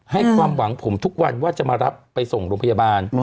ให้ความหวังผมทุกวันว่าจะมารับไปส่งโรงพยาบาล